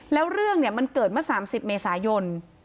แล้วเรื่องมันเกิดเมื่อ๓๐เมษายน